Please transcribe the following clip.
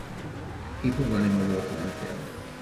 People running or walking on a field.